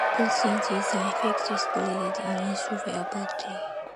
Opalescence is an effect exploited in lustreware pottery.